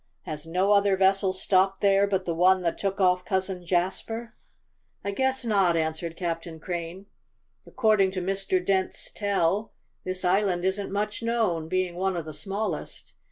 "Has no other vessel stopped there but the one that took off Cousin Jasper?" "I guess not," answered Captain Crane. "According to Mr. Dent's tell, this island isn't much known, being one of the smallest.